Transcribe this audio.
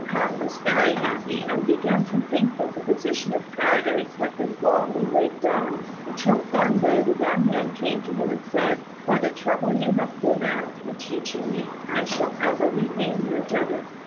K'ung was very happy, and began to think that the position of Paradise had been wrongly laid down, until one day the young man came to him and said, "For the trouble you have been at in teaching me, I shall ever remain your debtor.